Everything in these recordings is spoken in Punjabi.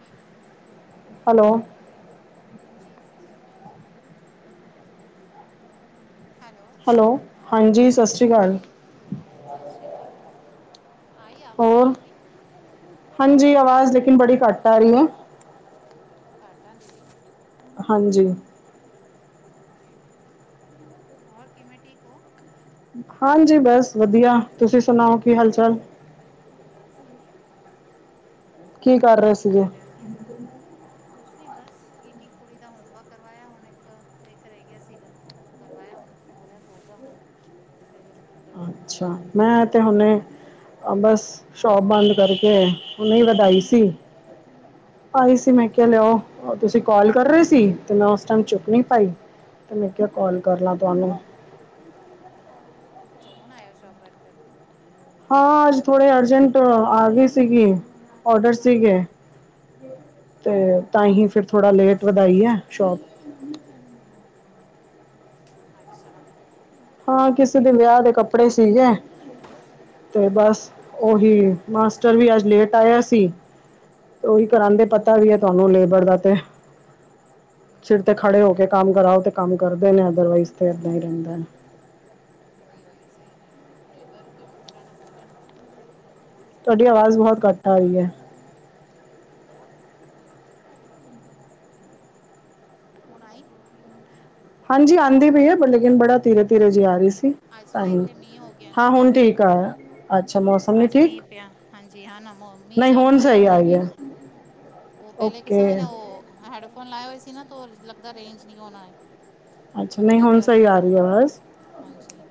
ਹਾਂ ਹੈਲੋ? ਹਾਂਜੀ ਸਤਿ ਸ੍ਰੀ ਅਕਾਲ ਜੀ। ਹੈਲੋ ਹਾਂਜੀ ਸਤਿ ਸ਼੍ਰੀ ਅਕਾਲ ਜੀ ਸਤਿ ਸ਼੍ਰੀ ਅਕਾਲ ਆਈ ਆਵਾਜ ਹੋਰ ਆਂਦੀ ਪਈ। ਹਾਂਜੀ ਆਵਾਜ਼ ਲੇਕਿਨ ਬੜੀ ਘੱਟ ਆ ਰਹੀ ਹੈ। ਘੱਟ ਆ ਦੀਦੀ ਹਾਂਜੀ ਹੋਰ ਕਿਵੇਂ ਠੀਕ ਹੋ? ਹਾਂਜੀ ਬਸ ਵਧੀਆ ਤੁਸੀਂ ਸੁਣਾਓ ਕੀ ਹਾਲ ਚਾਲ ਬਸ ਵਧੀਆ ਕੀ ਕਰ ਹੋਰ ਰਹੇ ਕੀ ਸੀ ਗੇ ਚੱਲ ਰਿਹਾ ਕੁਛ ਨੀ ਬਸ ਦੀਦੀ ਦੀ ਕੁੜੀ ਦਾ ਹੋਮਵਰਕ ਕਰਵਾਇਆ ਹੁਣ ਇੱਕ ਇੱਕ ਰਹਿ ਗਿਆ ਸੀਗਾ ਉਹ ਕਰਵਾਇਆ ਹੁਣ ਉਸਨੂੰ ਬੋਲਿਆ ਸੋ ਜਾ ਹੁਣ ਸਵੇਰੇ ਸਕੂਲ ਫਿਰ ਅੱਛਾ ਮੈਂ ਤੇ ਹੁਨੇ ਬਸ ਸ਼ੋਪ ਬੰਦ ਕਰਕੇ ਹੁਣੇ ਵਧਾਈ ਸੀ। ਆਈ ਸੀ ਅੱਛਾ ਮੈਂ ਕਿਹਾ ਲਿਆਓ ਤੁਸੀਂ ਕੋਲ ਕਰ ਰਹੇ ਸੀ ਤੇ ਮੈਂ ਉਸ ਟਾਈਮ ਚੁੱਕ ਨਹੀਂ ਹਾਂਜੀ ਪਾਈ ਤੇ ਮੈਂ ਕਿਹਾ ਕਿਹਾ ਕਾਲ ਕਰ ਅੱਛਾ ਲਾਂ ਨਹੀਂ ਤੁਹਾਨੂੰ ਨਹੀਂ ਅੱਛਾ ਹੁਣ ਆਇਓ ਸ਼ੋਪ ਬੰਦ ਕਰਕੇ ਹਾਂ ਅੱਜ ਥੋੜੇ ਅਰਜੈਂਟ ਆ ਗਈ ਸੀਗੀ ਆਰਡਰ ਸੀਗੇ ਤੇ ਤਹੀ ਫਿਰ ਥੋੜਾ ਲੇਟ ਵਧਾਈ ਹੈ ਸ਼ੋਪ ਅੱਛਾ! ਹਾਂ ਕਿਸੇ ਦੇ ਕਿਹੜੀ ਵਿਆਹ ਦੇ ਕੱਪੜੇ ਸ਼ੋਪ ਸੀਗੇ ਤੇ ਬਸ ਉਹੀ ਅੱਛਾ ਮਾਸਟਰ ਵੀ ਅੱਜ ਲੇਟ ਆਇਆ ਸੀ ਤੇ ਉਹੀ ਕਰਾਂਦੇ ਪਤਾ ਵੀ ਹੈ ਤੁਹਾਨੂੰ ਲੇਬਰ ਦਾ ਤੇ ਹਮ ਸਿਰ ਉਹ ਤੇ ਤਾਂ ਹੈ ਹੀ ਖੜੇ ਹੋ ਸਹੀ ਕੇ ਗੱਲ ਕੰਮ ਕਰਾਓ ਤੇ ਕੰਮ ਕਰਦੇ ਨੇ ਅਦਰਵਾਈਜ਼ ਤੇ ਇਦਾਂ ਹੀ ਰਹਿੰਦਾ। ਉਹੀਓ ਹੀ ਸਹੀ ਗੱਲ ਹੈ ਲੇਬਰ ਕੰਮ ਕਰਾਣਾ ਬੋਲਣ ਉਹਨਾਂ ਤੋਂ ਬੜਾ ਤੁਹਾਡੀ ਮੁਸ਼ਕਿਲ ਆਵਾਜ਼ ਬਹੁਤ ਘੱਟ ਆ ਰਹੀ ਹੈ। ਹੁਣ ਆਈ ਹਾਂਜੀ ਆਂਦੀ ਪਈ ਹੈ ਪਰ ਲੇਕਿਨ ਬੜਾ ਧੀਰੇ ਧੀਰੇ ਜੇ ਆ ਰਹੀ ਸੀ ਅੱਜ ਨਾ ਇੱਥੇ ਮੀਂਹ ਹੋ ਗਿਆ ਹਾਂ ਨਾ ਹੁਣ ਕਾਫੀ ਠੀਕ ਆ ਆ ਅੱਜ, ਮੀਂਹ ਪਿਆ ਹਾਂਜੀ, ਹਾਂ ਮੀਂਹ ਨਹੀਂ ਚਾਲੂ ਹੈਗਾ ਸਹੀ ਆ ਹੁਣ ਰਹੀ ਵੀ। ਹੈ ਉਹ ਪਹਿਲੇ ਕਿਸੇ, ਓਕੇ ਮੈਂ ਉਹ ਹੈੇਡਫੋਨ ਲਾਇਆ ਹੋਏ ਸੀ ਨਾ। ਲੱਗਦਾ ਰੇਂਜ ਨੀ ਹੋਣਾ। ਅੱਛਾ ਨਹੀਂ ਉਹਦੇ ਹੁਣ ਸਹੀ ਕਰਕੇ ਆ ਵੀ ਰਹੀ ਹੈ ਆਵਾਜ਼ ਹਾਂਜੀ,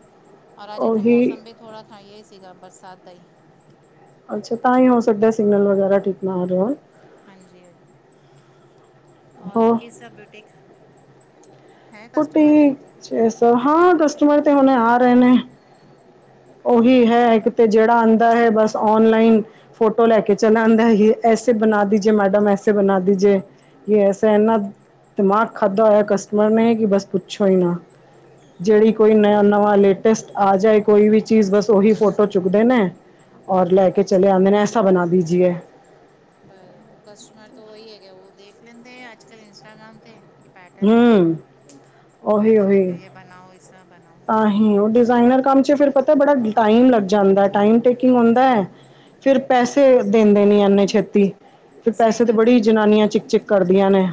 ਔਰ ਅੱਜ ਇੱਥੇ ਉਹੀ ਮੌਸਮ ਵੀ ਥੋੜ੍ਹਾ ਹਾਂ, ਇਹ ਸੀਗਾ ਬਰਸਾਤ ਦਾ ਹੀ। ਅੱਛਾ, ਤਾਂਹੀ ਹੋ ਸਕਦਾ ਸਿਗਨਲ ਵਗੈਰਾ ਠੀਕ ਨਾ ਆ ਰਹੇ ਹੋ। ਹਾਂਜੀ-ਹਾਂਜੀ, ਹੋਰ ਕਿਸ ਤਰਹ ਬੁਟਿਕ ਬੁਟੀਕ ਜਸਾ ਹਾਂ ਕਸਟਮਰ ਤੇ ਹੁਣੇ ਆ ਰਹੇ ਨੇ। ਓਹੀ ਹੈ ਇਕ ਤੇ ਜਿਹੜਾ ਆਂਦਾ ਹੈ ਬਸ ਓਨਲਾਈਨ ਫੋਟੋ ਲੈ ਕੇ ਚਲਾ ਆਂਦਾ ਹੈ ਐਸੇ ਬਣਾ ਦੀਜੇ ਮੈਡਮ, ਐਸੇ ਬਣਾ ਦੀਜੇ ਐਸਾ, ਇਨਾ ਦਿਮਾਗ ਖਾਧਾ ਹੋਇਆ ਕਸਟਮਰ ਨੇ ਕਿ ਬਸ ਪੁੱਛੋ ਹੀ ਨਾ, ਜਿਹੜੀ ਕੋਈ ਨ ਨਵਾਂ ਲੇਟਸਟ ਆ ਜਾਏ ਕੋਈ ਵੀ ਚੀਜ਼ ਬਸ ਉਹੀ ਫੋਟੋ ਚੁੱਕਦੇ ਨੇ ਔਰ ਲੈ ਕੇ ਚਲੇ ਆਂਦੇ ਨੇ ਐਸਾ ਬਣਾ ਦੀਜੀਏ। ਬਸ, ਉਹ ਕਸਟਮਰ ਤਾਂ ਉਹੀ ਹੈਗਾ, ਉਹ ਦੇਖ ਲੈਂਦੇ ਆ ਅੱਜ-ਕੱਲ ਇੰਸਟਾਗ੍ਰਾਮ ਤੇ। ਕੀ ਪੈਟਰਨ ਲੇਕਰ ਹੂੰ ਉਹ ਆ ਜਾਂਦੇ ਫਿਰ ਇਹ ਬਣਾਓ ਇਹ ਸਭ ਆਹੀ ਉਹ ਡਿਜ਼ਾਇਨਰ ਕੰਮ ਚ ਫਿਰ ਪਤ ਬੜਾ ਟਾਈਮ ਲੱਗ ਜਾਂਦਾ, ਟਾਈਮ ਟੇਕਿੰਗ ਹੁੰਦਾ ਹੈ ਫਿਰ ਪੈਸੇ ਦਿੰਦੇ ਨਹੀਂ ਇਨੇ ਛੇਤੀ। ਫਿਰ ਸਹੀ ਪੈਸੇ ਤੇ ਗੱਲ ਹੈ ਬੜੀ ਉਹ ਤਾਂ ਹੈ ਜਨਾਨੀਆਂ ਚਿੱਕ- ਚਿੱਕ ਕਰਦੇ ਰਦੀਆਂ ਨੇ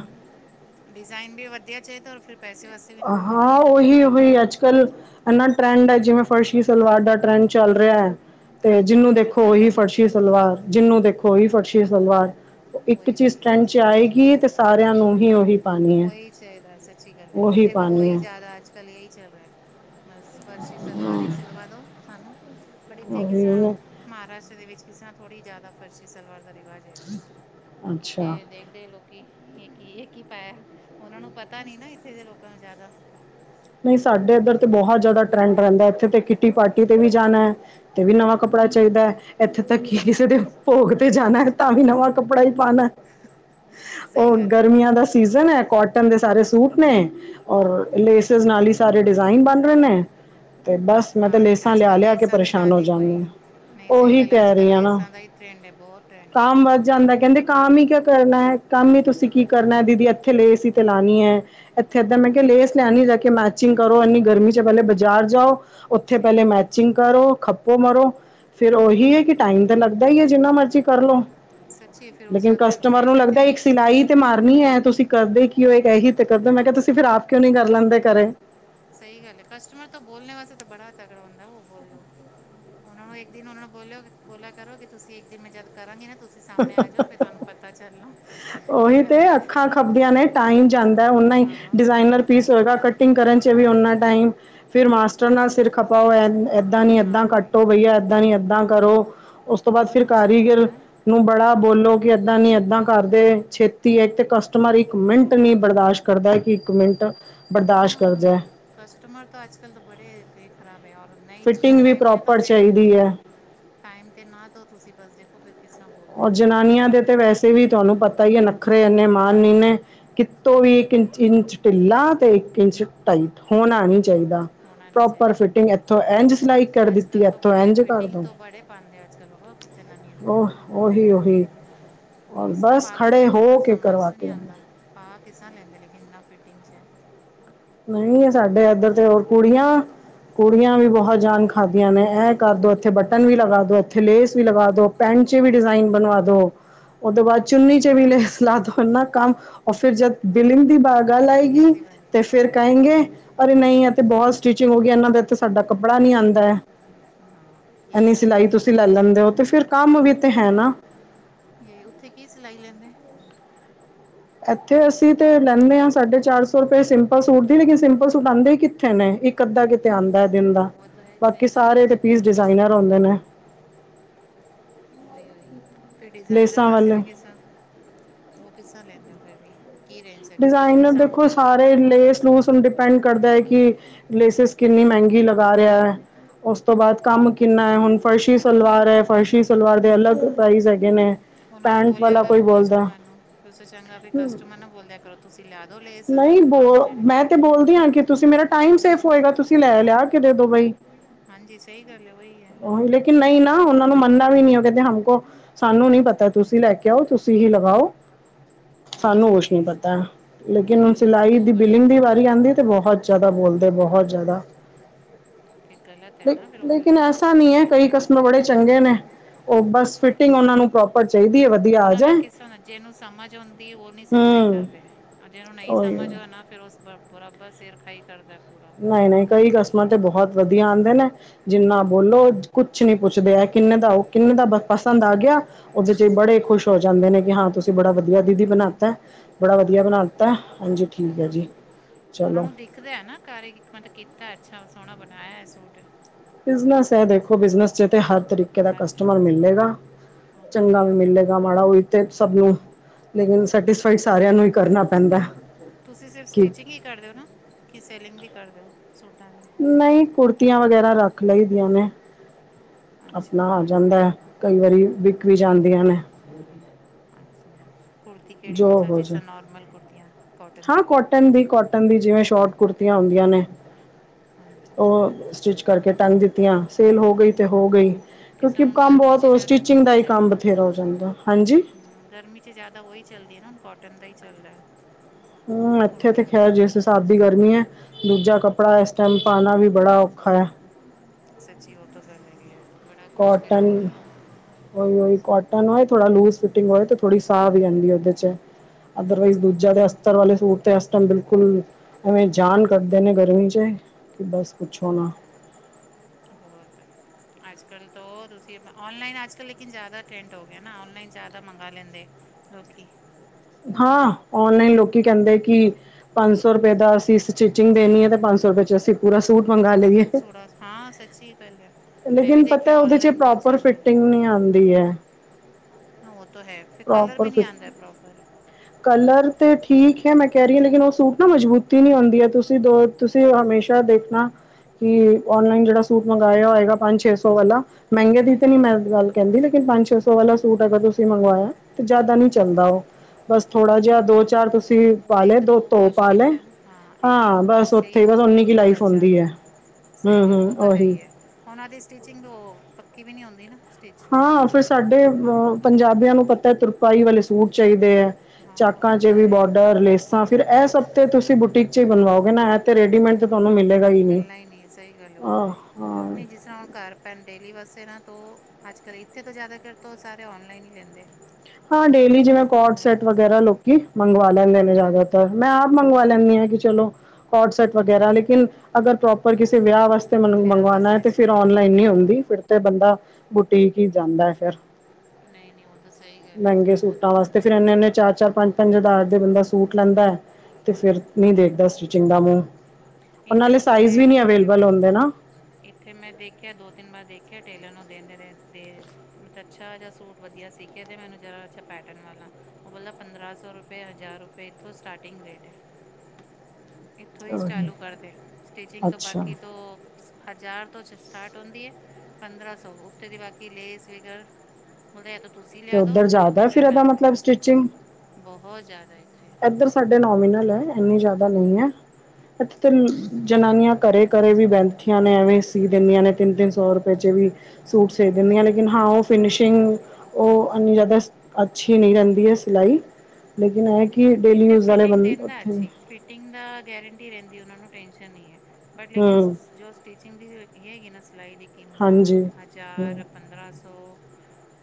ਡਿਜ਼ਾਇਨ ਵੀ ਵਧੀਆ ਚਾਹੀਦਾ ਔਰ ਫਿਰ ਪੈਸੇ ਵਾਸਤੇ ਵੀ ਨਖਰੇ ਹਾਂ, ਕਰਨੇ ਉਹੀ- ਉਹੀ ਅੱਜ ਅੱਜ-ਕੱਲ ਇਨਾ ਟਰੈਂਡ ਹੈ ਜਿਵੇਂ ਫਰਸ਼ੀ ਸਲਵਾਰ ਦਾ ਟਰੈਂਡ ਚੱਲ ਰਿਹਾ ਹੈ। ਤੇ ਹਾਂਜੀ ਜਿਹਨੂੰ ਹਾਂ ਉਹ ਦੇਖੋ, ਜ਼ਿਆਦਾ ਉਹੀ ਚੱਲ ਫੜਸ਼ੀ ਰਿਹਾ ਸਲਵਾਰ ਜਿਹਨੂੰ ਦੇਖੋ ਹੋਈ ਫਰਸ਼ੀ ਸਲਵਾਰ। ਇੱਕ ਉਹੀ ਚੀਜ਼ ਉਹੀ ਟ੍ਰੈਂਡ ਚ ਆਏਗੀ ਤੇ ਸਾਰਿਆਂ ਨੂੰ ਉਹੀ ਪਾਉਣੀ ਹੈ ਉਹੀ ਚਾਹੀਦਾ ਸੱਚੀ ਗੱਲ ਹੈ। ਇੱਥੇ ਵੀ ਪਾਉਣੀ ਉਹੀ ਹੈ ਜ਼ਿਆਦਾ ਅੱਜ-ਕੱਲ੍ਹ ਇਹੀ ਚੱਲ ਰਿਹਾ ਬਸ ਫਰਸ਼ੀ ਸਲਵਾਰ ਹੀ ਸਿਲਵਾ ਦੋ। ਸਾਨੂੰ ਬਟ ਇੱਥੇ ਉਹੀ ਕਿਸਾ ਉਹਨੇ ਮਹਾਰਾਸ਼ਟਰ ਦੇ ਵਿੱਚ ਕਿਸਾ ਥੋੜ੍ਹੀ ਜ਼ਿਆਦਾ ਫਰਸੀ਼ ਸਲਵਾਰ ਦਾ ਰਿਵਾਜ ਹੈਗਾ ਅੱਛਾ ਇੱਥੇ ਦੇਖਦੇ ਲੋਕੀ ਏਕੀ ਇੱਹ ਕੀ ਪਾਇਆ ਉਹਨਾਂ ਨੂੰ ਪਤਾ ਨੀ ਨਾ ਇੱਥੇ ਦੇ ਲੋਕਾਂ ਨੂੰ ਜ਼ਿਆਦਾ ਨਹੀਂ ਸਾਡੇ ਇੱਧਰ ਤੇ ਬਹੁਤ ਜ਼ਿਆਦਾ ਟਰੈਂਡ ਰਹਿੰਦਾ ਇੱਥੇ ਤੇ ਕਿਟੀ ਪਾਰਟੀ ਤੇ ਵੀ ਜਾਣਾ ਹੈ ਤੇ ਵੀ ਨਵਾਂ ਕੱਪੜਾ ਚਾਹੀਦਾ ਇੱਥੇ ਤੇ ਕਿਸੇ ਦੇ ਭੋਗ ਤੇ ਜਾਣਾ ਹੈ ਤਾਂ ਵੀ ਨਵਾਂ ਕੱਪੜਾ ਹੀ ਪਾਣੈ ਸਹੀ ਉਹ ਗੱਲ ਹੈ ਗਰਮੀਆਂ ਦਾ ਸੀਜਨ ਹੈ ਕੋਟ ਕੋਟਨ ਦੇ ਸਾਰੇ ਸੂਟ ਨੇ ਔਰ ਲੇਸ ਹਾਂਜੀ ਨਾਲ ਹੀ ਸਾਰੇ ਡਿਜ਼ਾਇਨ ਬਣ ਰਹੇ ਨੇ ਤੇ ਅੱਜ ਬਸ ਮੈਂ ਤੇ ਹਾਂ ਨਹੀਂ ਲੇਸਾਂ ਅੱਜ ਲਿਆ ਕੱਲ੍ਹ ਲਿਆ ਕੇ ਲੇਸਾਂ ਦੇ ਪਰੇਸ਼ਾਨ ਨਾਲ ਹੋ ਹੀ ਜਾਂਦੀ ਆ ਵਹੀ ਨਹੀਂ ਸਹੀ ਉਹੀ ਗੱਲ ਅੱਜ ਕਹਿ ਕੱਲ੍ਹ ਰਹੀ ਆ ਨਾ ਲੇਸਾਂ ਦਾ ਹੀ ਟਰੈਂਡ ਹੈ ਬਹੁਤ ਟਰੈਂਡ ਹੈ ਕਾਮ ਵੱਧ ਜਾਂਦਾ ਕਹਿੰਦੇ ਕਾਮ ਹੀ ਕਿਆ ਕਰਨਾ ਹੈ ਕੰਮ ਹੀ ਤੁਸੀਂ ਕੀ ਕਰਨਾ ਦੀਦੀ ਇੱਥੇ ਲੇਸ ਹੀ ਤੇ ਲਾਣੀ ਹੈ ਇੱਥੇ ਏਦਾਂ ਮੈਂ ਕਿਹਾ ਲੇਸ ਲਿਆਣੀ ਰਖੀ ਕਿ ਮੈਚਿੰਗ ਕਰੋ ਇੰਨੀ ਗਰਮੀ ਚ' ਪਹਿਲੇ ਬਜ਼ਾਰ ਜਾਓ ਉੱਥੇ ਪਹਿਲੇ ਸਹੀ ਹੈ ਫਿਰ ਮੈਚਿੰਗ ਕਰੋ ਖੱਪੋ ਮਰੋ ਫੇਰ ਉਹੀ ਹੈ ਕਿ ਹੂੰ ਟਾਈਮ ਤਾਂ ਲੱਗਦਾ ਹੀ ਹੈ ਜਿੰਨਾ ਮਰਜੀ ਕਰਲੋ ਸੱਚੀ ਫਿਰ ਉਸਦੇ ਲੇਕਿਨ ਉੱਤੇ ਕਸਟਮਰ ਨੂੰ ਮਿਹਨਤ ਲੱਗਦਾ ਹੈ ਇੱਕ ਸਿਲਾਈ ਤੇ ਮਾਰਨੀ ਹੈ ਤੁਸੀਂ ਕਰਦੇ ਕੀ ਕਿਉ ਇੱਕ ਇਹੀ ਤਾ ਕਰਦਾ ਮੈਂ ਕਿਹਾ ਤੁਸੀਂ ਫਿਰ ਆਪ ਕਿਉਂ ਨਹੀਂ ਕਰ ਲੈਂਦੇ ਘਰੇ ਸਹੀ ਗੱਲ ਹੈ ਕਸਟਮਰ ਤੋਂ ਬੋਲਣੇ ਵਾਸਤੇ ਤਾਂ ਬੜਾ ਤਕੜਾ ਹੁੰਦਾ ਉਹ ਬੋਲੋ ਉਹਨਾਂ ਨੂੰ ਇੱਕ ਦਿਨ ਉਹਨਾਂ ਨੂੰ ਬੋਲਿ ਬੋਲਿਆ ਕਰੋ ਕਿ ਤੁਸੀਂ ਇੱਕ ਦਿਨ ਮੈਂ ਜਦ ਕਰਾਂਗੀ ਨਾ ਤੁਸੀਂ ਸਾਹਮਣੇ ਆ ਜਾਓ ਫਿਰ ਤੁਹਾਨੂੰ ਪਤਾ ਚੱਲਣਾ ਉਹੀ ਕਿਵੇਂ ਤੇ ਹੁੰਦਾ ਅੱਖਾਂ ਖੱਪਦੀਆਂ ਨੇ ਟਾਈਮ ਜਾਂਦਾ ਨਾ ਹੀ ਹਾਂ ਫਿਰ ਡਿਜ਼ਾਇਨਰ ਪੀਸ ਹੋਏਗਾ ਕਟਿੰਗ ਕਰਨ ਚ ਵੀ ਉਹਨਾ ਟਾਈਮ ਫਿਰ ਮਾਸਟਰ ਨਾਲ ਸਿਰ ਖਪਾ ਹੋ ਏਦਾਂ ਨੀ ਏਦਾਂ ਕੱਟੋ ਬਈਆ ਏਦਾਂ ਨੀ ਏਦਾਂ ਕਰੋ ਉਸ ਤੋਂ ਬਾਅਦ ਫਿਰ ਹੁੰਦਾ ਕਾਰੀਗਰ ਹੈ ਨੂੰ ਬੜਾ ਬੋਲੋ ਏਦਾਂ ਨੀ ਏਦਾਂ ਕਰ ਦੇ ਛੇਤੀ ਹੈ ਤੇ ਕਸਟਮਰ ਇੱਕ ਮਿੰਟ ਨੀ ਬਰਦਾਸ਼ਤ ਕਰਦਾ ਹੈ ਕਿ ਇੱਕ ਮਿੰਟ ਬਰਦਾਸ਼ਤ ਕਰ ਜਾਏ ਹਾਂ ਕਸਟਮਰ ਤਾਂ ਅੱਜ ਕੱਲ ਤਾਂ ਬੜੇ ਖਰਾਬ ਹੈ ਨਹੀਂ ਦਿੱਤਾ ਫਿਟਿੰਗ ਵੀ ਟਾਈਮ ਤੇ ਤਾਂ ਪ੍ਰੋਪਰ ਫੇਰ ਬੋਲ ਚਾਹੀਦੀ ਹੈ ਕੇ ਟਾਈਮ ਤੇ ਨਾ ਦਿਓ ਤੁਸੀਂ ਬਸ ਦੇਖੋ ਫਿਰ ਕਿਸ ਤਰ੍ਹਾਂ ਬੋਲਦੇ ਔਰ ਹੋ ਜਨਾਨੀਆਂ ਦੇ ਤੇ ਵੈਸੇ ਵੀ ਤੁਹਾਨੂੰ ਪਤਾ ਹੀ ਹੈ ਨ ਖਰੇ ਐਨੇ ਮਾਨ ਨੀ ਨੇ ਕਿੱਤੋਂ ਵੀ ਇੱਕ ਬਹੁਤ ਇੰਚ-ਇੰਚ ਢਿੱਲਾ ਤੇ ਇੱਕ ਇੰਚ ਟਾਈਟ ਹੋਣਾ ਨੀ ਟਾਈਟ ਚਾਹੀਦਾ ਹੋਣਾ ਨਹੀਂ ਪ੍ਰੋਪਰ ਚਾਹੀਦਾ ਫਿਟਿੰਗ ਇਥੋਂ ਇੰਝ ਸਿਲਾਈ ਕਰ ਅੱਜ ਦਿੱਤੀ ਕੱਲ੍ਹ ਤੋਂ ਇਥੋਂ ਬੜੇ ਇੰਝ ਫਿਟਿੰਗ ਕਰਦੋ ਤੋਂ ਬੜੇ ਪਾਉਂਦੇ ਅੱਜ ਕੱਲ੍ਹ ਬਾਬਾ ਜਨਾਨੀਆਂ ਬਹੁਤ ਕਿਸ ਤਰ੍ਹਾਂ ਪਾ ਖੜ੍ਹੇ ਲੈਂਦੇ ਮੈਂ ਹੋ ਤਾਂ ਕੇ ਸਮਝ ਕਰਵਾ ਚ ਨਹੀਂ ਕੇ ਆਂਦਾ ਪਾ ਕਿਸ ਤਰ੍ਹਾਂ ਲੈਂਦੇ ਲੇਕਿਨ ਇੰਨਾ ਫਿਟ ਗ ਚ ਨਹੀਂ ਸਾਡੇ ਇੱਧਰ ਤੇ ਹੋਰ ਕੁੜੀਆਂ ਕੁੜੀਆਂ ਵੀ ਬਹੁਤ ਜਾਨ ਖਾਦੀਆਂ ਨੇ ਐ ਕਰਦੋ ਇੱਥੇ ਬਟਨ ਵੀ ਲਗਾ ਦੋ ਇੱਥੇ ਲੇਸ ਵੀ ਲਗਾ ਦੋ ਪੈਂਟ ਚ ਵੀ ਡਿਜ਼ਾਇਨ ਬਣਵਾ ਦੋ ਉਹਦੇ ਬਾਅਦ ਦੇਖੋ ਚੁੰਨੀ ਚ ਵੀ ਲੈਸ ਲਾ ਦੋ ਨਾ ਕੰਮ ਔਰ ਫਿਰ ਜਦ ਬਿਲੀਗ ਦੀ ਗੱਲ ਆਏਗਾ ਬਿਲਿੰਗ ਦੀ ਵਾਰੀ ਫੇਰ ਹਾਂ ਕਹਿਗੇ ਅਰੇ ਨਹੀਂ ਇਹ ਤੇ ਬਹੁਤ ਸਟਿਚਿੰਗ ਹੋ ਗਈ, ਇਹਨਾਂ ਦੇ ਤੇ ਸਾਡਾ ਕੱਪੜਾ ਨੀ ਆਉਂਦਾ ਹੈ। ਹਾਂ, ਇਹੀ ਇੰਨੀ ਗੱਲ ਹੈ ਸਿਲਾਈ ਉਹੀ ਤੁਸੀਂ ਲੈ ਇਹੀ ਚੱਲ ਲੈਂਦੇ ਹੋ ਰਿਹਾ, ਅਤੇ ਫਿਰ ਕੰਮ ਹੁਣ ਵੀ ਤਾਂ ਹੈ ਨਾ ਉੱਥੇ ਕੀ ਸਿਲਾਈ ਲੈਂਦੇ। ਇੱਥੇ ਅਸੀਂ ਤੇ ਲੈਂਦੇ ਹਾਂ, ਸਾਢੇ ਚਾਰ ਸੌ ਰੁਪਏ ਸਿੰਪਲ ਸੂਟ ਦੀ, ਲੇਕਿਨ ਸਿੰਪਲ ਸੂਟ ਆਉਂਦੇ ਹੀ ਕਿੱਥੇ ਨੇ ਇੱਕ ਅੱਧਾ ਕਿਤੇ ਆਉਂਦਾ ਹਮ ਹੈ, ਦਿਨ ਦਾ ਉਹ ਤਾਂ ਹੈ ਬਾਕੀ ਸਹੀ ਗੱਲ ਸਾਰੇ ਇੱਕ ਤੇ ਅੱਧਾ ਹੀ ਪੀਸ ਆਉਂਦਾ ਡਿਜ਼ਾਇਨਰ ਆਉਦੇ ਨੇ। ਉਹੀ, ਉਹੀ ਫਿਰ ਡਿਜ਼ਾਇਨਰ ਲੇਸਾਂ ਵਾਸਤੇ ਵਾਲੇ ਵੀ ਕਿਸਾਂ ਉਹ ਕਿਸ ਤਰਾਂ ਲੈਂਦੇ ਹੋ। ਹੋ ਵੀ ਕੀ ਰੇਂਜ ਸਕ ਡਿਜ਼ਾਇਨਰ ਜਿਸ ਤਰ੍ਹਾਂ ਹੁਣ ਦੇਖੋ, ਸਾਰੇ ਲੇਸ-ਲੂਸ ਨੂੰ ਡਿਪੈਂਡ ਕਰਦਾ ਹੈ। ਕਿ, ਲੇਸਿਸ ਕਿੰਨੀ ਮਹਿੰਗੀ ਲਗਾ ਰਿਹਾ ਹੈ, ਉਸ ਤੋਂ, ਬਾਅਦ ਕੰਮ ਕਿੰਨਾ ਹੈ। ਹੁਣ ਫਰਸ਼ੀ ਸਲਵਾਰ ਹੈ, ਫਰਸ਼ੀ ਸਲਵਾਰ ਦੇ, ਅਲੱਗ ਪ੍ਰਾਈਜ਼ ਹੈਗੇ ਨੇ। ਉਹਨਾ ਨੂੰ ਪੈਂਟ ਬੋਲਿਆ ਵਾਲਾ ਕੋਈ ਕਰੋ, ਬੋਲਦਾ ਕਸਟਮਰ ਨੂੰ ਤੁਸੀ ਚੰਗਾ ਵੀ, ਕਸਟਮਰ ਨਾ ਬੋਲਿਆ ਕਰੋ ਤੁਸੀਂ ਲਿਆ ਦਿਉ ਲੇਸ ਨਹੀਂ ਬੋ ਤੁਹਾਨੂੰ ਜਿਹੜੀ ਮੈਂ, ਤੇ, ਚਾਹੀਦੀ ਹੈ ਬੋਲਦੀ ਹਾਂ ਕਿ, ਤੁਸੀਂ ਮੇਰਾ ਟਾਈਮ ਸੇਫ ਹੋਏਗਾ, ਤੁਸੀਂ ਲੈ ਲਿਆ ਕਿ ਦੇ-ਦੋ ਬਈਹ ਹਾਂਜੀ ਸਹੀ ਗੱਲ ਹੈ ਉਹੀ ਹੈ ਲੇਕਿਨ ਨਹੀਂ ਨਾ ਉਹਨਾਂ ਨੂੰ, ਮੰਨਣਾ ਵੀ ਨੀ, ਉਹ ਕਹਿੰਦੇ ਹਮਕੋ ਸਾਨੂੰ ਨੀ ਪਤਾ ਤੁਸੀਂ ਲੈ ਕੇ ਆਓ, ਤੁਸੀਂ ਹੀ ਲਗਾਓ। ਸਾਨੂੰ ਹੋਸ਼ ਨਹੀਂ ਪਤਾ ਲੇਕਿਨ ਹੁਣ ਸਿਲਾਈ ਦੀ ਬਿਲਿੰਗ ਦੀ ਵਾਰੀ ਆਉਂਦੀ ਤੇ, ਬਹੁਤ ਜ਼ਿਆਦਾ ਬੋਲਦੇ ਬਹੁਤ ਜ਼ਿਆਦਾ। ਲੇਕਿਨ, ਐਸਾ ਨਹੀਂ ਹੈ, ਕਈ ਕਸਮ ਬੜੇ ਚੰਗੇ ਨੇ, ਉਹ ਬਸ ਫਿੱਟ ਉਹਨਾਂ ਨੂੰ, ਪ੍ਰੌਪਰ ਚਾਹੀਦੀ ਏ, ਵਧੀਆ ਆ ਉਹਨਾਂ ਦਾ ਜਾਏ। ਕਿੱਸਾ ਨਾ ਜਿਹਨੂੰ ਸਮਝ ਆਉਂਦੀ ਉਹ ਨਹੀਂ ਖਾਈ ਹੂੰ ਕਰਦੇ ਜਿਹਨੁੰ ਨਹੀਂ ਸਮਝ ਉਹੀ ਹੋ, ਨਾ, ਫਿਰ ਉਸ ਬ, ਬਰਾਬਰ ਸਿਰ ਖਾਈ ਕਰਦਾ। ਪੂਰਾ ਨਹੀਂ, ਨਹੀਂ ਕਈ ਕਸਟਮਰ ਤੇ, ਬਹੁਤ ਵਧੀਆ ਆਂਦੇ ਨੇ, ਜਿੰਨਾ ਬੋਲੋ ਕੁਛ ਨੀ ਪੁੱਛਦੇ ਹੈ। ਕਿੰਨੇ ਦਾ ਉਹ ਕਿੰਨੇ ਦਾ ਪਸੰਦ ਆ ਗਿਆ। ਉਹਦੇ'ਚ ਬੜੇ ਖੁਸ਼ ਹੋ ਜਾਂਦੇ ਨੇ, ਕਿ ਹਾਂ, ਤੁਸੀਂ ਬੜਾ ਵਧੀਆ ਦੀਦੀ ਬਣਾਤਾ, ਬੜਾ ਵਧੀਆ ਬਣਾ ਦਿੱਤਾ, ਹਾਂਜੀ ਠੀਕ ਹੈ ਜੀ। ਉਹਨਾ ਚਲੋ ਨੂੰ ਦੇਖਦਾ ਹੈ ਨਾ ਕਰ ਮਤਲਬ ਕੀਤਾ ਅੱਛਾ, ਸੋਹਣਾ ਬਣਾਇਆ ਹੈ ਸੂਟ। ਬਿਜਨਸ ਹੈ, ਦੇਖੋ ਬਿਜਨਸ'ਚ ਤੇ, ਹਰ ਤਰੀਕੇ ਦਾ ਹਰ ਚ- ਕਸਟਮਰ ਮਿਲੇਗਾ ਉਹ ਤਾਂ ਹੈ ਚੰਗਾ ਹੀ ਵੀ ਮਿਲੇਗਾ, ਮਾੜਾ ਉਹੀ ਤੇ ਸਭ ਨੂੰ ਲੇਕਿਨ, ਸੈਟਿਸਫਾਈ ਸਾਰਿਆਂ ਨੂੰ ਹੀ, ਕਰਨਾ ਪੈਂਦਾ। ਤੁਸੀਂ ਸਿਰਫ ਕਿ ਸਟਿਚਿੰਗ ਹੀ ਕਰਦੇ ਹੋ ਨਾ, ਕਿ ਸੇਲਿੰਗ ਵੀ? ਕਰ ਦਿਓ। ਨਹੀਂ ਕੁੜਤੀਆਂ ਵਗੈਰਾ ਰੱਖ ਲਈ ਦੀਆਨੇ। ਅੱਛਾ ਆਪਣਾ ਆ ਠੀਕ ਜਾਂਦਾ ਹੈ। ਕਈ ਵਾਰੀ, ਵਿਕ ਵੀ ਜਾਂਦੀਆਂ ਨੇ। ਅੱਛਾ। ਕੁੜਤੀ ਕਿਹੜੀ ਜੋ, ਮਤਲਬ ਹੋ, ਜਿਸ ਤਰ੍ਹਾਂ ਨੋਰਮਲ ਕੁੜਤੀਆਂ ਕੋਟਨ ਹਾਂ ਦੀ ਕੋਟਨ ਦੀ ਕੋਟਨ ਦੀ, ਜਿਵੇਂ ਸ਼ੋਰਟ ਕੁੜਤੀਆਂ ਆਉਦੀਆਂ ਨੇ। ਹਾਂਜੀ ਉਹ ਸਟਿਚ ਕਰਕੇ ਟਤੰਗ ਦਿੱਤੀਆਂ। ਫੇਲ ਹੋ ਗਈ ਤੇ ਹੋ ਗਈ ਕਿਸ ਕਿਉਂਕਿ ਤਰ੍ਹਾਂ ਹੁਣ ਕੰਮ ਗਰਮੀ 'ਚ ਬਹੁਤ ਜ਼ਿਆਦਾ ਕਰ ਸਟਿਚਿੰਗ ਦਾ ਉਹੀ ਹੀ ਕੰਮ ਚੱਲਦਾ ਨਾ। ਬਥੇਰਾ ਹੋ ਜਾਂਦਾ ਹਾਂਜੀ ਹੂੰ ਗਰਮੀ 'ਚ ਜ਼ਿਆਦਾ ਉਹੀ ਚੱਲਦੀ ਹੈ ਨਾ ਹੁਣ ਕੋਟਨ ਦਾ ਹੀ ਚੱਲਦਾ। ਹਮ ਇੱਥੇ ਤੇ ਕੁੜਤੀਆਂ ਖੈਰ ਜਿਸ ਹਿਸਾਬ ਦੀ ਗਰਮੀ ਹੈ। ਦੂਜਾ ਕੱਪੜਾ ਇਸ ਟਾਈਮ ਪਾਉਣਾ ਵੀ ਬੜਾ ਔਖਾ ਹੈ। ਸੱਚੀ ਉਹ ਤਾਂ ਫੈਲ ਹੈਗੀ ਹੈ। ਬੜਾ ਮੁਸ਼ਕਿਲ ਕੋਟਨ ਹੁੰਦਾ ਉਹਨਾਂ ਨੂੰ ਕੋਈ ਈ ਕੋਟਨ ਹੋਏ ਥੋੜ੍ਹਾ ਲੂਜ ਫਿਟਿੰਗ ਹੋਵੇ ਅਤੇ ਥੋੜ੍ਹੀ ਸਾਹ ਵੀ ਅੰਦੀ ਹੈ ਉਹਦੇ ਚ ਅਦਰਵਾਈਜ਼ ਦੂਜਾ ਦੇ ਅਸਤਰ ਵਾਲੇ ਸੂਟ ਤਾਂ ਇਸ ਟਾਈਮ ਬਿਲਕੁਲ ਐਵੇਂ ਜਾਣ ਕਰਦੇ ਨੇ ਗਰਮੀ ਚ ਕਿ ਬਸ ਪੁੱਛੋ ਨਾ। ਬਹੁਤ ਅੱਜ ਕੱਲ੍ਹ ਤਾਂ ਤੁਸੀਂ ਔਨਲਾਈਨ ਅੱਜ ਕੱਲ੍ਹ ਲੇਕਿਨ ਜ਼ਿਆਦਾ ਟਰੈਂਡ ਹੋ ਗਿਆ ਨਾ ਔਨਲਾਈਨ ਜ਼ਿਆਦਾ ਮੰਗਵਾ ਲੈਂਦੇ ਲੋਕੀ। ਹਾਂ ਔਨਲਾਈਨ ਲੋਕੀ ਕਹਿੰਦੇ ਕਿ ਪੰਜ ਸੌ ਰੁਪਏ ਦਾ ਅਸੀਂ ਸਟਿਚਿੰਗ ਦੇਣੀ ਹੈ ਤੇ ਪੰਜ ਸੌ ਰੁਪਏ ਚ ਅਸੀਂ ਪੂਰਾ ਸੂਟ। ਮੰਗਾ ਲਈਏ ਥੋੜਾ ਹਾਂ ਸੱਚੀ ਗੱਲ ਹੈ ਮੈਂ ਵੀ ਲੇਕਿਨ ਦੇਖਿਆ ਪਤਾ ਉਹਦੇ ਚ ਔਨਲਾਈਨ ਬਹੁਤ ਪ੍ਰੋਪਰ ਚੱਲਦਾ ਫਿਟਿੰਗ ਨਹੀਂ ਆਉਂਦੀ ਹੈ। ਹਾਂ ਉਹ ਤਾਂ ਹੈ ਫਿਰ ਕਲਰ ਵੀ ਪ੍ਰੋਪਰ ਨਹੀਂ ਫਿਟ ਆਉਂਦਾ ਪ੍ਰੋਪਰ। ਕਲਰ ਤੇ ਠੀਕ ਹੈ ਮੈਂ ਕਹਿ ਰਹੀ ਹਾਂ ਲੇਕਿਨ ਉਸ। ਸੂਟ ਨਾ ਮਜਬੂਤੀ ਨੀ ਆਉਂਦੀ ਹੈ ਤੁਸੀਂ ਦੋ ਤੁਸੀਂ ਹਮੇਸ਼ਾ ਦੇਖਣਾ ਕਿ ਔਨਲਾਈਨ ਜਿਹੜਾ ਸੂਟ ਮੰਗਾਇਆ ਹੋਏਗਾ ਪੰਜ ਛੇ ਸੌ ਵਾਲਾ। ਮਹਿੰਗੇ ਦੀ ਤਾਂ ਨੀ ਹਾਂਜੀ ਮੈਂ ਗੱਲ ਕਹਿੰਦੀ ਲੇਕਿਨ ਪੰਜ। ਛੇ ਸੌ ਵਾਲਾ ਸੂਟ ਅਰ ਤੁਸੀਂ ਮੰਗਵਾਇਆ ਤੇ ਜ਼ਿਆਦਾ ਨਹੀਂ ਚੱਲਦਾ ਉਹ। ਬਸ ਥੋੜਾ ਜਿਹਾ ਦੋ ਚਾਰ ਤੁਸੀਂ। ਉਹ ਪਾ ਲਏ ਇੱਕ ਦੋ ਧੋ ਵਾਸ਼ ਪਾ ਲਏ ਕੀਤਾ ਹਾਂ ਇੱਕ ਦੋ ਬਸ ਵਾਸ਼ ਚ ਹੀ ਉੱਥੇ ਬਸ ਉਹ ਉਨੀ ਕੁ ਲਾਈਫ ਕਰ ਹੁੰਦੀ ਹੈ ਜਾਂਦਾ ਹੂੰ ਸਹੀ ਗੱਲ ਹੂੰ ਉਹ ਤਾਂ ਹੈ ਉਹੀ ਹੀ ਹੈ ਉਹਨਾਂ ਦੀ ਸਟੀਿਚਿੰਗ ਓਹ। ਪੱਕੀ ਵੀ ਨਹੀਂ ਹੋਂਦੀ ਨਾ। ਸਟਿਚ ਹਾਂ ਫਿਰ ਸਾਡੇ। ਪੰਜਾਬੀਆਂ ਨੂੰ ਪਤਾ ਹੈ ਤੁਰਪਾਈ ਵਾਲੇ ਸੂਟ ਚਾਹੀਦੇ ਹੈ। ਹਾਂ ਚਾਕਾਂ ਉਹ ਚ ਤਾਂ ਵੀ ਹੈ ਹੀ ਬੋਡਰ ਲੇਸਾਂ ਫੇਰ ਬਾਰਡਰ ਇਹ ਸਭ ਤੇ ਤੁਸੀਂ ਬੁਟੀਕ ਚ ਹੀ ਬਣਵਾਓ। [unintelligible] ਹਮ ਮਿਲਣਾ ਹੀ ਨੀ ਸਹੀ ਗੱਲ ਉਹ ਤਾਂ ਆਹ ਹੈ ਹਾਂ ਨਹੀਂ ਜਿਸ ਤਰ੍ਹਾਂ ਹੁਣ ਘਰ ਪੈਣ ਡੇਲੀ ਬਸ। ਦਿਨਾਂ ਤੋਂ ਅੱਜ ਕੱਲ ਇੱਥੇ ਤੋਂ ਜ਼ਿਆਦਾਤਰ ਤੋਂ ਸਾਰੇ ਔਨਲਾਈਨ ਹੀ ਲੈਂਦੇ। ਹਾਂ ਡੇਲੀ ਜਿਵੇਂ ਇੱਥੇ ਤੋਂ ਕਾਰਡ ਸੈਟ ਜਾਏਗਾ ਵਗੈਰਾ ਲੋਕੀ ਮੰਗਵਾ ਲੈਂਦੇ ਨੇ ਹਾਂਜੀ ਜ਼ਿਆਦਾਤਰ ਮੈਂ ਆਪ ਮੰਗਵਾ ਉਹੀ ਲੈਂਦੀ ਹਾਂ ਕਿ ਚਲੋ। ਕੋਡ ਸੈਟ ਵਗੈਰਾ ਲੇਕਿਨ ਅਗਰ ਪ੍ਰੋਪ। ਪਰ ਕਿਸੇ ਵਿਆਹ ਵਾਸਤੇ ਮੈਨੂੰ ਵਿਆਹ ਮੰਗਵਾਉਣਾ ਹੈ ਵਾਸਤੇ ਤਾਂ ਫਿਰ ਚਾਹੀਦਾ ਔਨਲਾਈਨ ਨਹੀਂ ਹੂੰ ਹੁੰਦੀ ਫਿਰ ਤੇ ਬੰਦਾ। ਬੁਟੀਕ ਹੀ ਜਾਂਦਾ ਹੈ ਫੇਰ। ਨਹੀਂ ਨਹੀਂ ਉਹ ਤਾਂ। ਸਹੀ ਗੱਲ ਹੈ ਮਹਿੰਗੇ ਬਹੁਤ ਸੂਟਾਂ ਹੈ। ਵਾਸਤੇ ਫਿਰ ਇਨੇ ਇਨੇ ਚਾਰ ਚਾਰ ਪੰਜ ਪੰਜ ਹਜ਼ਾਰ ਦੇ ਬੰਦਾ ਸੂਟ ਲੈਂਦੈ ਹੈ ਤੇ ਫੇਰ ਨਹੀਂ ਦੇਖ। ਦਾ ਸਟਚਿੰਗ ਦਾ ਮੂੰਹ। ਉਹ ਇੱਥੇ ਨਾਲੇ ਤੋਂ ਬੜੇ ਸਾਈਜ਼ ਵੀ ਨਹੀਂ ਇੱਥੇ ਅਵੇਲੇਬਲ ਹੁੰਦੇ ਨਾ ਇੱਥੇ ਮੈਂ ਦੇਖਿਆ ਦੋ ਤਿੰਨ ਵਾਰ ਦੇਖਿਆ। ਟੇਲਰ ਨੂੰ ਦੇ ਦਿੰਦੇ ਐ ਅੱਛਾ ਜਿਹਾ ਸੂਟ ਵਧੀਆ ਸੀਕੇ ਦੇ ਮੈਨੂੰ ਜ਼ਰਾ ਅੱਛਾ ਪੈਟਰਨ ਵਾਲਾ ਉਹ ਬੋਲਦਾ ਪੰਦਰਾਂ ਸੌ ਰੁਪਏ ਹਜ਼ਾਰ ਰੁਪਏ ਇੱਥੋਂ ਸਟਾਰਟਿੰਗ ਰੇਟ ਹੈ। ਇਥੋਂ ਹੀ ਉਹੀ ਸਿਲਾਲੋ। ਕਰ ਦੇ ਸਟੀਿਚਿੰਗ ਤਾਂ ਅੱਛਾ ਬਾਕੀ ਤੋਂ ਹਜ਼ਾਰ ਕੁਛ ਸਟਾਰਟ ਹੁੰਦੀ ਹੈ ਪੰਦਰਾਂ ਸੌ ਉੱਤੇ ਦੀ ਬਾਕੀ ਲੇਸ ਵਗੈਰ ਬੋਲਦੇ ਹੈ ਏਤੋ ਤੇ ਉੱਧਰ ਜ਼ਿਆਦਾ ਫਿਰ ਇਹਦਾ ਮਤਲਬ ਸਟਿਚਿੰਗ ਬਹੁਤ ਜ਼ਿਆਦਾ ਇੱਥੇ ਏਧਰ ਸਾਡੇ ਨੋਮੀਨਲ ਹੈ ਇੰਨੀ ਜ਼ਿਆਦਾ ਨਹੀਂ ਐ ਇੱਥੇ ਤਾਂ ਜਨਾਨੀਆਂ ਘਰੇ ਘਰੇ ਵੀ ਬਹਿੰਠੀਆਂ ਨੇ ਐਵੇਂ ਸੀ ਦਿੰਦੀਆਂ ਨੇ ਤਿੰਨ ਤਿੰਨ ਸੌ ਰੁਪਏ ਚ ਵੀ ਸੂਟ ਸੀ ਦਿੰਦੀਆਂ ਲੇਕਿਨ ਹਾਂ ਉਹ ਫਿਨਿਸ਼ਿੰਗ ਉਹ ਐਨੀ ਜ਼ਿਆਦਾ ਅੱਛੀ ਨਹੀਂ ਰਹਿੰਦੀ ਹੈ ਸਿਲਾਈ ਲੇਕਿਨ ਇਹ ਕਿ ਡੇਲੀ ਇੱਥੇ ਯੂਜ਼ ਵਾਲੇ ਫਿਟਿੰਗ ਬੰ ਦਿੰਦਾ ਉੱਥੇ ਅਸੀਂ ਫਿਟਿੰਗ ਦਾ ਗਰੰਟੀ ਰਹਿੰਦੀ ਦੀ ਉਹਨਾ ਨੂੰ ਟੈਨਸ਼ਨ ਨੀ ਹੈ ਬਟ ਲੇਕਿਨ ਹੂੰ, ਸਸ ਜੋ ਸਟਿਚਿੰ [unintelligible] ਹੈਗੀ ਨਾ ਸਿਲਾਈ ਦੀ ਕੀਮਤ ਹਾਂਜੀ, ਹਜ਼ਾਰ ਪੰਦਰਾਂ ਸੌ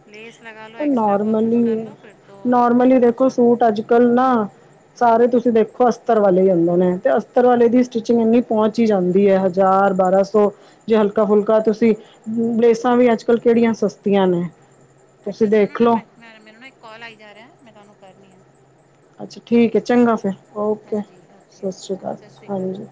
ਲੇਸ ਲਗਾ ਲੋ ਹੂੰ ਐਕਸਟ ਵਰਕ ਕੁਛ ਕਰ ਨੋਰਮਲੀ ਲੋ ਫਿਰ ਤੋਂ ਨੋਰਮਲੀ ਦੇਖੋ ਪੁੱਛੋ ਨੂੰ ਸੂਟ ਅੱਜ-ਕੱਲ੍ਹ ਨਾ ਸਾਰੇ ਤੁਸੀਂ ਦੇਖੋ ਅਸਤਰ ਵਾਲੇ ਆਂਦੇ ਨੇ ਤੇ ਅਸਤਰ ਵਾਲੇ ਦੀ ਸਟਿਚਿੰਗ ਇਨੀ ਪਹੁੰਚ ਹੀ ਜਾਂਦੀ ਹੈ ਹਜ਼ਾਰ ਬਾਰਾਂ ਸੌ ਜੇ ਹਲਕਾ ਫੁਲਕਾ ਤੁਸੀਂ ਲੇਸਾਂ ਵੀ ਅੱਜ ਕੱਲ ਕਿਹੜੀਆਂ ਸਸਤੀਆਂ ਨੇ ਤੁਸੀਂ ਅੱਛਾ ਸੁਣੋ ਦੇਖ ਨਾ ਲਓ, ਮੈਨੂੰ ਨਾ ਇੱਕ ਕਾਲ ਆਈ ਜਾ ਰਿਹਾ ਮੈਂ ਤੁਹਾਨੂੰ ਕਰਦੀ ਆ ਅੱਛਾ ਠੀਕ ਹੈ ਚੰਗਾ ਫਿਰ ਓਕੇ ਹਾਂਜੀ ਓਕੇ ਸਤਿ ਸ੍ਰੀ ਚਲੋ ਅਕਾਲ ਸਤਿ ਸ਼੍ਰੀ ਅਕਾਲ ਹਾਂਜੀ ਜੀ